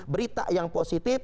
berita yang positif